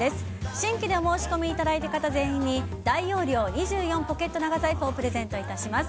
新規でお申し込みいただいた方全員に大容量２４ポケット長財布をプレゼントいたします。